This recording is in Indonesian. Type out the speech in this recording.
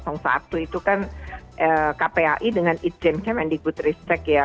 itu kan kpai dengan itjen kemendikbud ristek ya